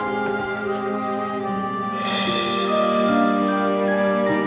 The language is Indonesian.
ga punya siapapun